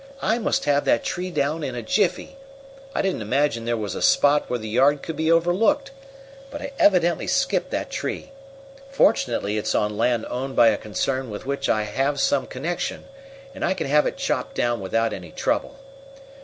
I must have that tree down in a jiffy. I didn't imagine there was a spot where the yard could be overlooked. But I evidently skipped that tree. Fortunately it's on land owned by a concern with which I have some connection, and I can have it chopped down without any trouble.